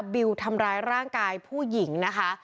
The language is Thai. บิวทำร้ายร่างกายผู้หญิงนะคะ